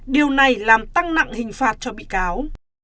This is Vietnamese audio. điều này làm tăng nặng hình phạt cho bị cáo